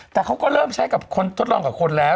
แต่เขาก็เริ่มใช้กับคนทดลองกับคนแล้ว